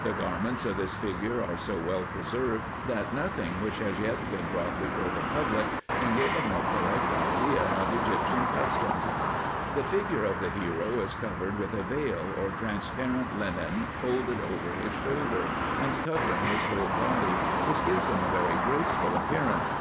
The garments of tins figure are so well preserved, that nothing which has yet been brought before the public can give a more correct idea of Egyptian customs. The figure of the hero is covered with a veil, or transparent linen, folded over his shoulder, and covering his whole body, which gives him a very graceful appearance.